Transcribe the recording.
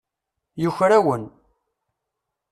Yuker-awen.